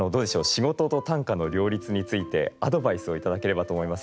仕事と短歌の両立についてアドバイスを頂ければと思いますが。